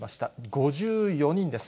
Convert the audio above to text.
５４人です。